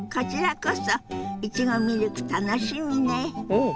うん！